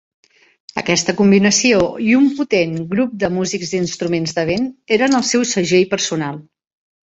Aquesta combinació i un potent grup de músics d'instruments de vent eren el seu segell personal.